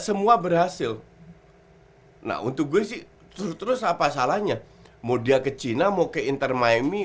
semua berhasil hai nah untuk gue sih terus apa salahnya mau dia ke cina mau ke intermai mi